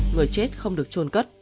người chết không được trôn cất